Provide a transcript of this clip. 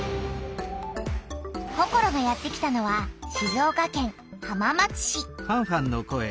ココロがやって来たのは静岡県浜松市。